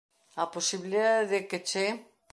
A posibilidade de que che...